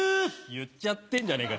言っちゃってんじゃねえか。